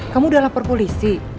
kamu sudah lapar polisi